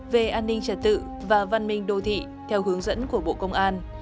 về an ninh trật tự và văn minh đô thị theo hướng dẫn của bộ công an